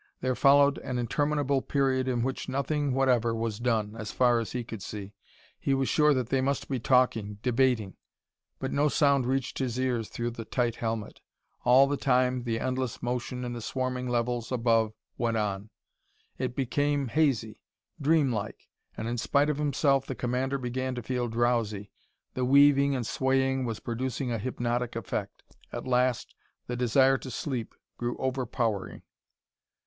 There followed an interminable period in which nothing whatever was done, as far as he could see. He was sure that they must be talking, debating, but no sound reached his ears through the tight helmet. All the time the endless motion in the swarming levels above went on. It became hazy, dreamlike, and in spite of himself the commander began to feel drowsy. The weaving and swaying was producing a hypnotic effect. At last the desire to sleep grew overpowering.